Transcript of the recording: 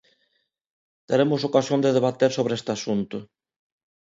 Teremos ocasión de debater sobre este asunto.